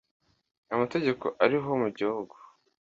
amategeko ariho mu gihugu